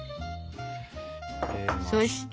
そして。